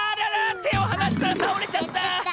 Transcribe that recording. てをはなしたらたおれちゃった！